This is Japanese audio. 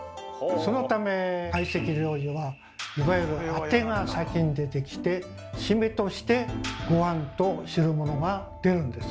そのため会席料理はいわゆるアテが先に出てきてシメとしてごはんと汁物が出るんです。